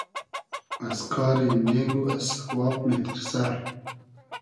از کاری نېگ و از سئواب میتیرسۂ